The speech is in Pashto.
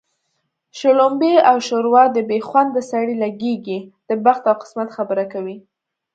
شلومبې او ښوروا د بې خونده سړي لږېږي د بخت او قسمت خبره کوي